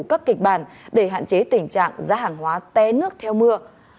các kịch bản để hạn chế tình trạng giá hàng hóa té nước theo mưa